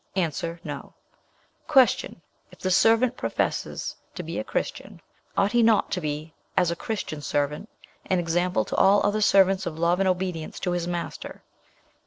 A. 'No.' "Q. If the servant professes to be a Christian, ought he not to be as a Christian servant, an example to all other servants of love and obedience to his master?